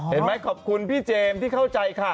เห็นไหมขอบคุณพี่เจมส์ที่เข้าใจค่ะ